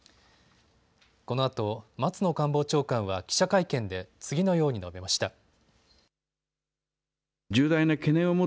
このあと松野官房長官は記者会見で次のように述べました。